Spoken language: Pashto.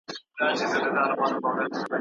چېري د ښځو حقونو ته درناوی کیږي؟